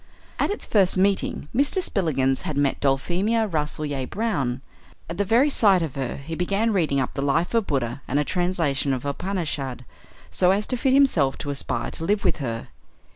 At its first meeting Mr. Spillikins had met Dulphemia Rasselyer Brown. At the very sight of her he began reading up the life of Buddha and a translation of the Upanishads so as to fit himself to aspire to live with her.